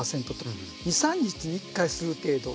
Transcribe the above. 「２３日に１回する程度」